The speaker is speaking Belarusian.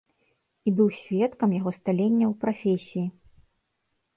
І быў сведкам яго сталення ў прафесіі.